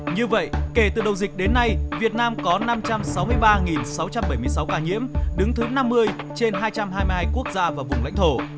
như vậy kể từ đầu dịch đến nay việt nam có năm trăm sáu mươi ba sáu trăm bảy mươi sáu ca nhiễm đứng thứ năm mươi trên hai trăm hai mươi hai quốc gia và vùng lãnh thổ